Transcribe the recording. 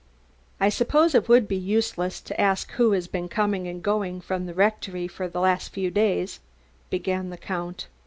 "I suppose it would be useless to ask who has been coming and going from the rectory the last few days?" began the Count.